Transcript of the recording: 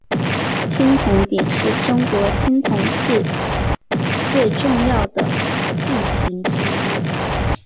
青铜鼎是中国青铜器最重要的器形之一。